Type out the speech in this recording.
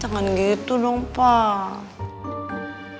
jangan gitu dong pak